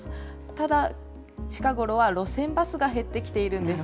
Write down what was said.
ただ、近頃は路線バスが減ってきているんです。